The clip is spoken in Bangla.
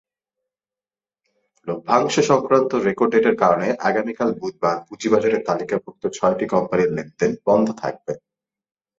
লভ্যাংশ-সংক্রান্ত রেকর্ড ডেটের কারণে আগামীকাল বুধবার পুঁজিবাজারে তালিকাভুক্ত ছয়টি কোম্পানির লেনদেন বন্ধ থাকবে।